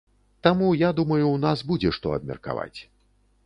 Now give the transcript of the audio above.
Таму, я думаю, у нас будзе што абмеркаваць.